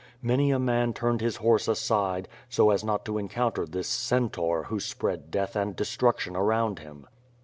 Many a man turned his horse aside, so as not to encounter this centaur who spread death and destruction around him.